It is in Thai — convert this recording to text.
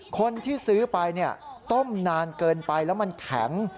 คนที่ซื้อไปต้มนานเกินไปแล้วมันแข็ง